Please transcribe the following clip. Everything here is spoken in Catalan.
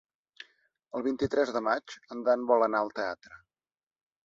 El vint-i-tres de maig en Dan vol anar al teatre.